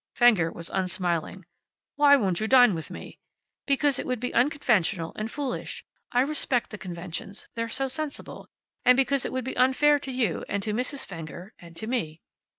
Fenger was unsmiling: "Why won't you dine with me?" "Because it would be unconventional and foolish. I respect the conventions. They're so sensible. And because it would be unfair to you, and to Mrs. Fenger, and to me."